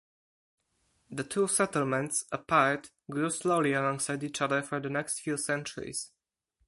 The two settlements, apart, grew slowly alongside each other for the next few centuries.